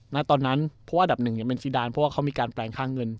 ตอนนั้นเพราะว่าอันดับหนึ่งเป็นซีดานเพราะว่าเขามีการแปลงค่าเงิน